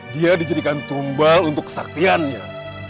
dia dijadikan tumbal untuk kesaktiannya